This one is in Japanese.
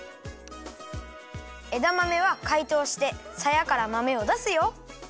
えだまめはかいとうしてさやからまめをだすよ。